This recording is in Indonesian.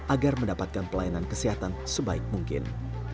agar mendapatkan pelayanan kesehatan sebaik mungkin